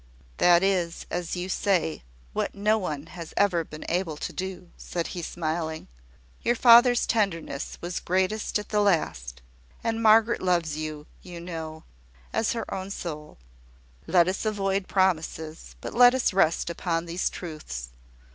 "That is, as you say, what no one has ever been able to do," said he, smiling. "Your father's tenderness was greatest at the last; and Margaret loves you, you know, as her own soul. Let us avoid promises, but let us rest upon these truths.